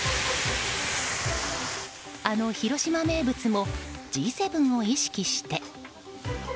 あの広島名物もＧ７を意識して。